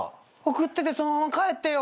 送ってってそのまま帰ってよ。